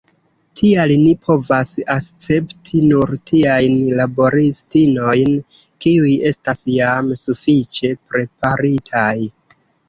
Tial ni povas akcepti nur tiajn laboristinojn, kiuj estas jam sufiĉe preparitaj.